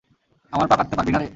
আমার পা কাটতে পারবি না রে।